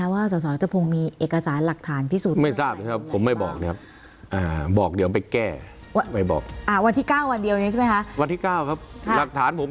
วันที่๙วันเดียวนี้ใช่ไหมครับ